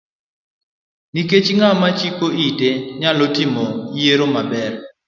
Nikech ng'ama chiko ite nyalo timo yiero maber.